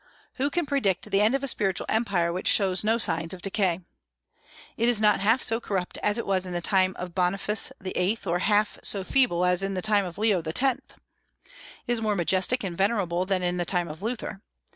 Who can predict the end of a spiritual empire which shows no signs of decay? It is not half so corrupt as it was in the time of Boniface VIII., nor half so feeble as in the time of Leo X. It is more majestic and venerable than in the time of Luther.